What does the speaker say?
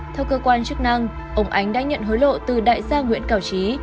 theo cơ quan chức năng ông ánh đã nhận hối lộ từ đại gia nguyễn cao trí